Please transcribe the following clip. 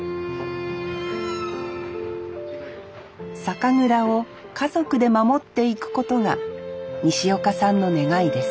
酒蔵を家族で守っていくことが西岡さんの願いです